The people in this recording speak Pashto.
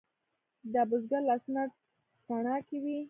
د بزګر لاسونه تڼاکې وي.